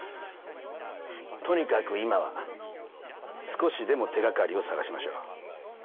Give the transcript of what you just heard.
とにかく今は少しでも手掛かりを捜しましょう。